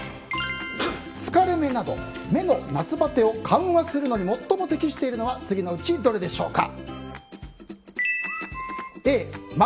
疲れ目など目の夏バテを緩和するのに最も適しているのは次のうちどれでしょうか。